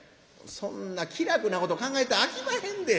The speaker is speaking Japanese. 「そんな気楽なこと考えたらあきまへんで。